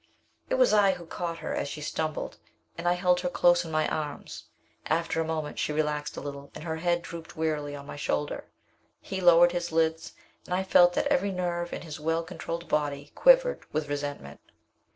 It was I who caught her as she stumbled, and I held her close in my arms. After a moment, she relaxed a little, and her head drooped wearily on my shoulder. He lowered his lids, and I felt that every nerve in his well controlled body quivered with resentment.